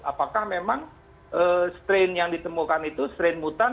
apakah memang strain yang ditemukan itu strain mutan